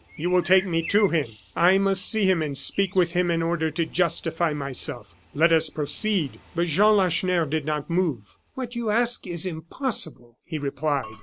You will take me to him. I must see him and speak with him in order to justify myself. Let us proceed!" But Jean Lacheneur did not move. "What you ask is impossible!" he replied.